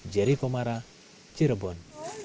jeri komara cirebon